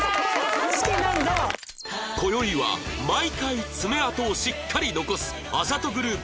こよいは毎回爪痕をしっかり残すあざとグループ